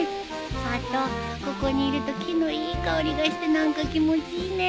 あとここにいると木のいい香りがして何か気持ちいいね。